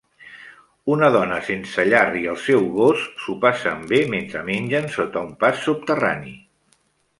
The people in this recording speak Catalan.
Una dona sense llar i el seu gos s'ho passen bé mentre mengen sota un pas subterrani.